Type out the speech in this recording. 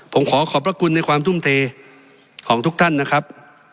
ผมขอขอบพระคุณในความทุ่มเทของทุกท่านนะครับ